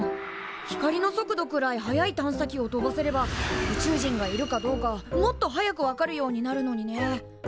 光の速度くらい速い探査機を飛ばせれば宇宙人がいるかどうかもっと早く分かるようになるのにね。